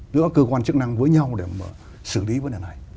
giữa cơ quan chức năng với nhau để mà xử lý vấn đề này